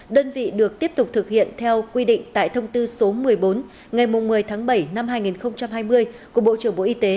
đơn vị được tiếp tục thực hiện theo quy định tại thông tư số một mươi bốn ngày một mươi tháng bảy năm hai nghìn hai mươi của bộ trưởng bộ y tế